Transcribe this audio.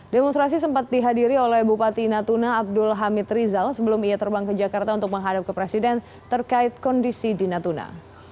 demonstrasi sempat dihadiri oleh bupati natuna abdul hamid rizal sebelum ia terbang ke jakarta untuk menghadap ke presiden terkait kondisi di natuna